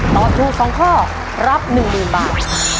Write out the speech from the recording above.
ตอบถูก๒ข้อรับ๑๐๐๐บาท